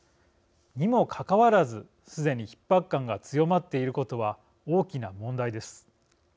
にもかかわらずすでにひっ迫感が強まっていることは大きな問題です。